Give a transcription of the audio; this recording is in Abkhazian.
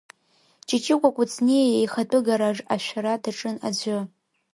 Ҷыҷыкәа Кәыҵниа иеихатәы гараж ашәара даҿын аӡәы.